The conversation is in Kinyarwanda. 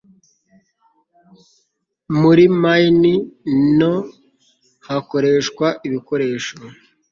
Muri mine nto hakoreshwa ibikoresho